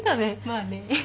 まあね。